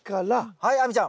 はい亜美ちゃん！